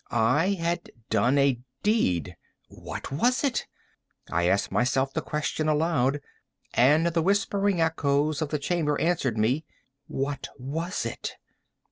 I had done a deed—what was it? I asked myself the question aloud, and the whispering echoes of the chamber answered me,—"_What was it?